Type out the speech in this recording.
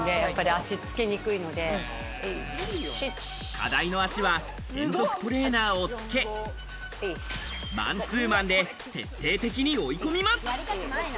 課題の足は専属トレーナーをつけ、マンツーマンで徹底的に追い込みます。